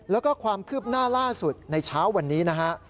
แล้วก็ความคืบหน้าล่าสุดในเช้าวันนี้นะฮะ